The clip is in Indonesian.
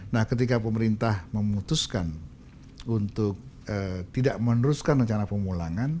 nah ketika pemerintah memutuskan untuk tidak meneruskan rencana pemulangan